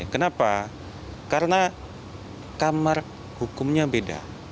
kenapa karena kamar hukumnya beda